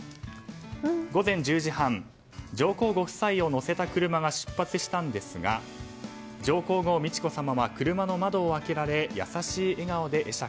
午前１０時半上皇ご夫妻を乗せた車が出発したんですが上皇后・美智子さまは車の窓を開けられ優しい笑顔で会釈。